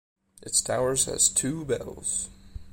Its tower has two bells.